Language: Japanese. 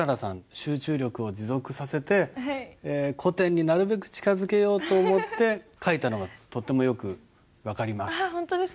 集中力を持続させて古典になるべく近づけようと思って書いたのがとてもよく分かります。